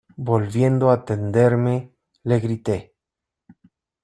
volviendo a tenderme le grité: